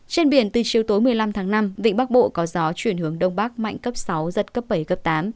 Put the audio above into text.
trên biển từ chiều tối một mươi năm tháng năm vịnh bắc bộ có gió chuyển hướng đông bắc mạnh cấp sáu giật cấp bảy cấp tám